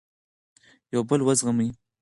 یو بل وزغمئ.